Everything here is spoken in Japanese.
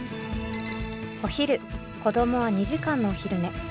お昼子供は２時間のお昼寝。